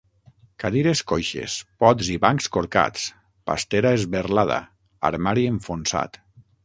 Cadires coixes, pots i bancs corcats, pastera esberlada, armari enfonsat.